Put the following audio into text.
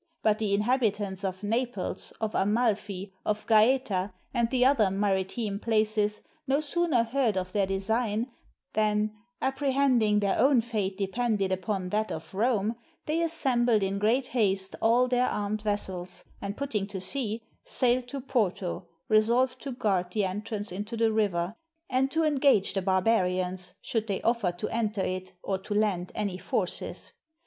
But the inhab itants of Naples, of Amalfi, of Gaeta, and the other mari time places, no sooner heard of their design, than, appre hending their own fate depended upon that of Rome, they assembled in great haste all their armed vessels, and putting to sea, sailed to Porto, resolved to guard the entrance into the river, and to engage the barbarians, should they offer to enter it, or to land any forces.